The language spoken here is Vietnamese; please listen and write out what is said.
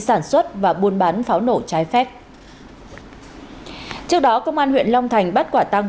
sản xuất và buôn bán pháo nổ trái phép trước đó công an huyện long thành bắt quả tăng